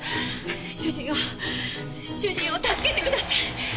主人を主人を助けてください！